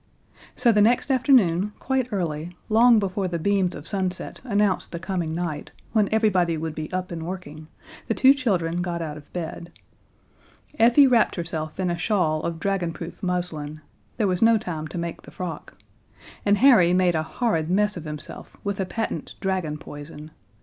So the next afternoon, quite early, long before the beams of sunset announced the coming night, when everybody would be up and working, the two children got out of bed. Effie wrapped herself in a shawl of dragonproof muslin there was no time to make the frock and Harry made a horrid mess of himself with the patent dragon poison.